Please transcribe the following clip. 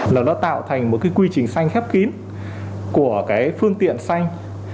là nó tạo thành một cái quy trình xanh khép kín của cái phương tiện xanh